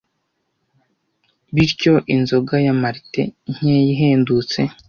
bityo inzoga ya malt nkeya ihendutse.